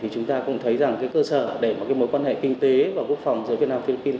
chúng ta cũng thấy rằng cơ sở để mối quan hệ kinh tế và quốc phòng giữa việt nam philippines